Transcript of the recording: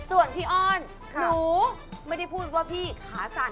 ส่วนพี่อ้อนหนูไม่ได้พูดว่าพี่ขาสั่น